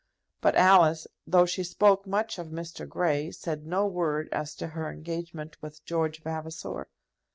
But Alice, though she spoke much of Mr. Grey, said no word as to her engagement with George Vavasor.